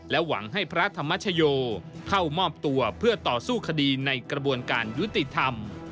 หวังให้พระธรรมชโยเข้ามอบตัวเพื่อต่อสู้คดีในกระบวนการยุติธรรม